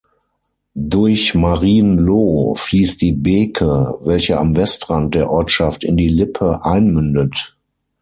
Durch Marienloh fließt die Beke, welche am Westrand der Ortschaft in die Lippe einmündet.